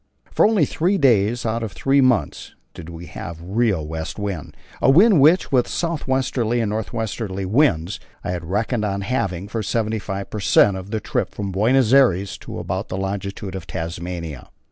For only three days out of three months did we have a real west wind, a wind which, with south westerly and north westerly winds, I had reckoned on having for 75 per cent. of the trip from Buenos Aires to about the longitude of Tasmania.